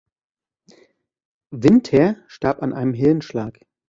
Winther starb an einem Hirnschlag.